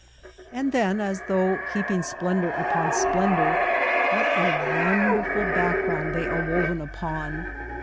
And then, as though heaping splendor upon splendor, what a wonderful background they are woven upon